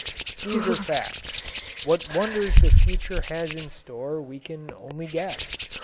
These are facts; what wonders the future has in store we can only guess.